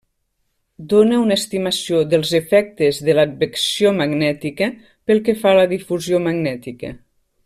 Dóna una estimació dels efectes de l'advecció magnètica pel que fa a la difusió magnètica.